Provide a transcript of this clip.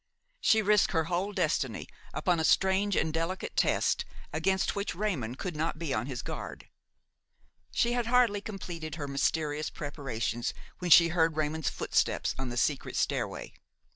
She risked her whole destiny upon a strange and delicate test against which Raymon could not be on his guard. She had hardly completed her mysterious preparations when she heard Raymon's footsteps on the secret stairway.